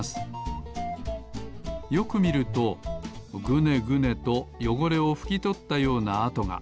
よくみるとグネグネとよごれをふきとったようなあとが。